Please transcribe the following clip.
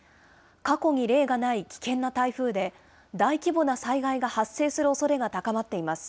過去に例がない危険な台風で、大規模な災害が発生するおそれが高まっています。